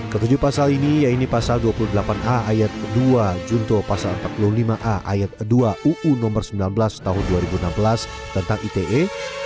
ketujuh pasal ini yaitu pasal dua puluh delapan a ayat dua junto pasal empat puluh lima a ayat dua uu nomor sembilan belas tahun dua ribu enam belas tentang ite